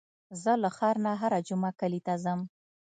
زه له ښار نه هره جمعه کلي ته ځم.